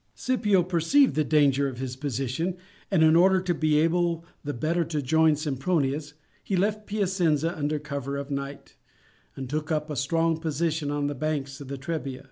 Scipio perceived the danger of his position; and in order to be able the better to join Sempronius he left Piacenza under cover of night, and took up a strong position on the banks of the Trebia.